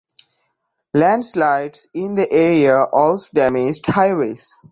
Landslides in the area also damaged highways.